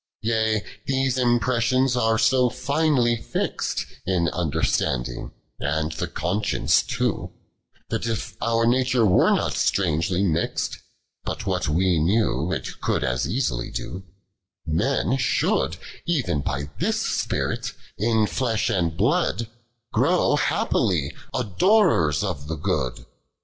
OF BGLIGION. 243 12. Tea, these impressions arc so finely fixt In understanding, and the conscience too, That if our nature were not strangely mixt, But what we knew it could as easily do, Men should, — even by this spirit — in flesh and blood Grow happily, adorers of the Good.